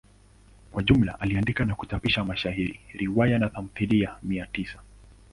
Kwa jumla aliandika na kuchapisha mashairi, riwaya na tamthilia mia tisa.